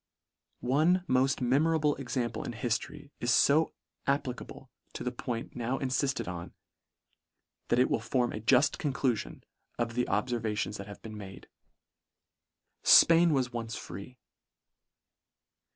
One mofl memorable example in hiftory is fo applicable to the point now infifted on, L.oFC. ioo LETTER IX. that it will form a juft conclufion of the ob fervations that have been made. Spain was once free.